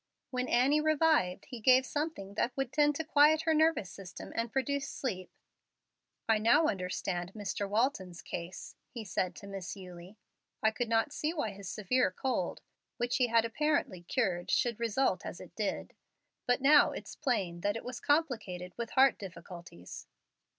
When Annie revived he gave something that would tend to quiet her nervous system and produce sleep. "I now understand Mr. Walton's case," he said to Miss Eulie. "I could not see why his severe cold, which he had apparently cured, should result as it did. But now it's plain that it was complicated with heart difficulties."